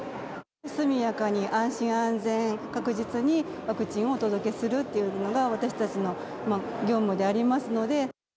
速やかに安心安全確実にワクチンをお届けするというのが、私たちの業務でありますので。